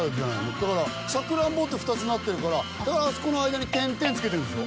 だからさくらんぼって２つなってるからだからあそこの間に点々つけてるんでしょ？